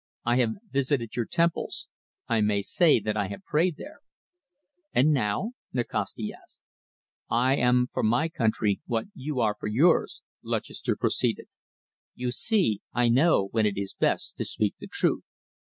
"I have visited your temples. I may say that I have prayed there." "And now?" Nikasti asked. "I am for my country what you are for yours," Lutchester proceeded. "You see, I know when it is best to speak the truth.